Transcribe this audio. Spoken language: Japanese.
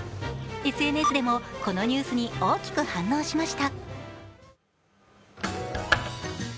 ＳＮＳでもこのニュースに大きく反応しました。